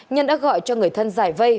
nhân đã gọi cho người thân giải vây